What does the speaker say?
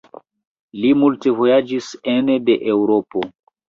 Li multe vojaĝis ene de Eŭropo.